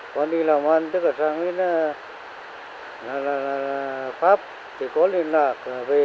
con đi làm ăn tất cả sang pháp thì có liên lạc về